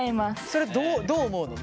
それどう思うの？